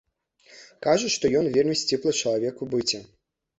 Кажуць, што ён вельмі сціплы чалавек у быце.